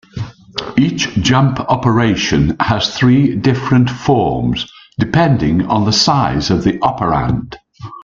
Each jump operation has three different forms, depending on the size of the operand.